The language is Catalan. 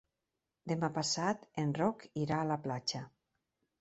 Demà passat en Roc irà a la platja.